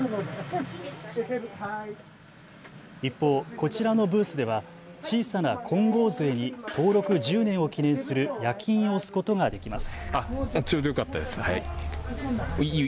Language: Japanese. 一方こちらのブースでは小さな金剛づえに登録１０年を記念する焼き印を押すことができます。